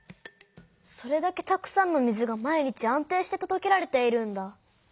それだけたくさんの水が毎日安定してとどけられているんだ。